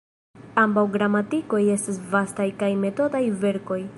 Ambaŭ gramatikoj estas vastaj kaj metodaj verkoj.